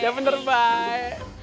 ya bener baik